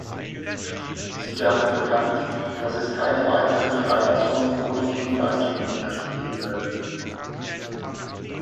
Sie gaben bekannt, dass es keine weiteren Freilassungen ohne Gegenleistungen mehr geben werde.